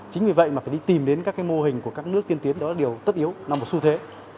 chính vì vậy phải tìm đến các mô hình của các nước tiên tiến đó là điều tất yếu là một xu thế